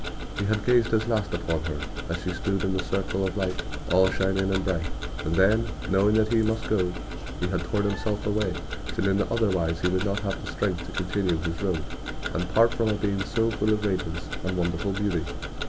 He had gazed his last upon her as she stood in the circle of light all shining and bright; and then, knowing that he must go, he had torn himself away, feeling that otherwise he would not have the strength to continue his road, and part from a being so full of radiance and wonderful beauty.